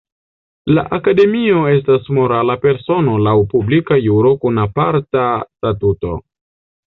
La Akademio estas morala persono laŭ publika juro kun aparta statuto.